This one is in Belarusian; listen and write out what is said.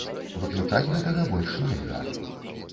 Выключаць гэтага больш нельга.